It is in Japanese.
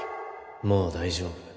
もう大丈夫